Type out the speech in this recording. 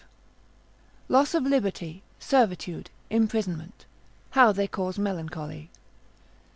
V.—Loss of Liberty, Servitude, Imprisonment, how they cause Melancholy.